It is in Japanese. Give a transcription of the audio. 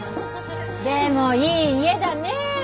でもいい家だねえ。